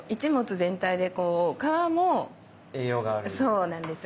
そうなんですよ。